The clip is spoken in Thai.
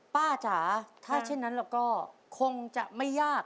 จ๋าถ้าเช่นนั้นเราก็คงจะไม่ยาก